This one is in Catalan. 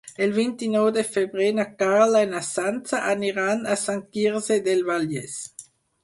El vint-i-nou de febrer na Carla i na Sança aniran a Sant Quirze del Vallès.